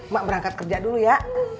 mak berangkat kerja dulu ya